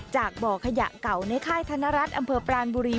บ่อขยะเก่าในค่ายธนรัฐอำเภอปรานบุรี